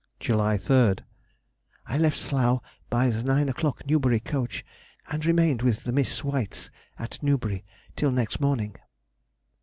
July 3rd.—I left Slough by the nine o'clock Newbury coach, and remained with the Miss Whites [at Newbury] till next morning.